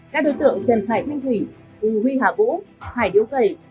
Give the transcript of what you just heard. các đối tượng trần thải thanh thủy huy hạ vũ